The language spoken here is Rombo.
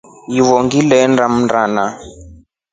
Iyo ngilenda mndana.